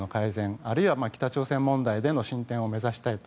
あるいは、北朝鮮問題での進展を目指したいと。